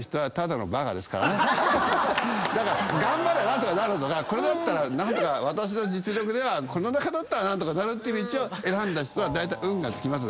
頑張れば何とかなるとかこれだったら私の実力ではこの中だったら何とかなるっていう道を選んだ人はだいたい運がつきます。